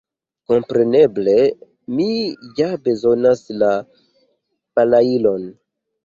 Kompreneble, mi ja bezonas la balailon.